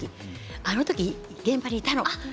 あのとき現場にいたの。